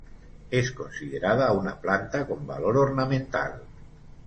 Es considerada una planta con valor ornamental.